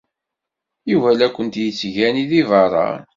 Yuba la kent-yettgani deg beṛṛa.